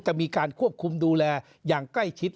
จะมีการควบคุมดูแลอย่างใกล้ชิด